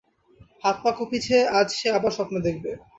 হাত-পা কপিছে আজ সে আবার স্বপ্ন দেখবে।